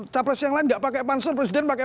capres yang lain nggak pakai pansel presiden pakai